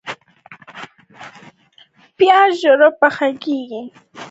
پیاز ژر پخیږي